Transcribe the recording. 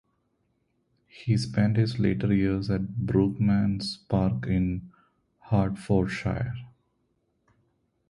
He spent his later years at Brookmans Park in Hertfordshire.